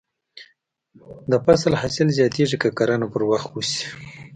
د فصل حاصل زیاتېږي که کرنه پر وخت وشي.